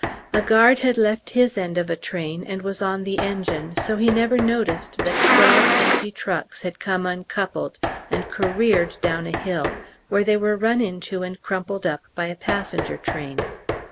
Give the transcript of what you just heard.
A guard had left his end of a train and was on the engine; so he never noticed that twelve empty trucks had come uncoupled and careered down a hill, where they were run into and crumpled up by a passenger train.